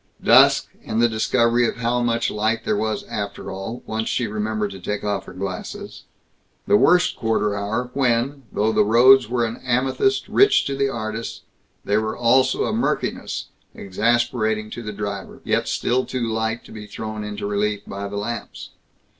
Dusk, and the discovery of how much light there was after all, once she remembered to take off her glasses. The worst quarter hour when, though the roads were an amethyst rich to the artist, they were also a murkiness exasperating to the driver, yet still too light to be thrown into relief by the lamps.